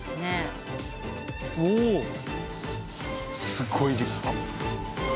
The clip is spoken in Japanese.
すごい立派。